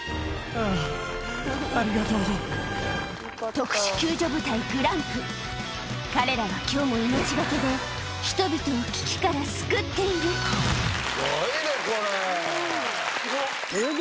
特殊救助部隊ＧＲＩＭＰ彼らは今日も命懸けで人々を危機から救っているすごいねこれ！